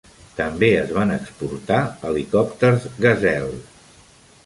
També es van exportar helicòpters Gazelle.